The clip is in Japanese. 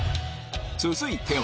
続いては